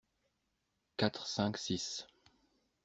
Quatre, cinq, six.